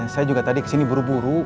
saya juga tadi kesini buru buru